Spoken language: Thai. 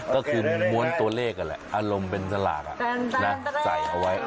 ก็คือม้วนตัวเลขนั่นแหละอารมณ์เป็นสลากใส่เอาไว้